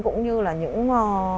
cũng như là những